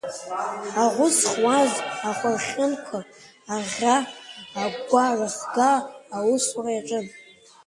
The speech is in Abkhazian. Аӷәы зхуаз ахәархьынқәа аӷьӷьа-агәгәа рыхга аусура иаҿын.